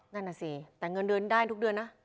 นั่นน่ะสิแต่เงินเดือนได้ทุกเดือนนะ